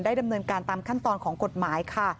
ดำเนินการตามขั้นตอนของกฎหมายค่ะ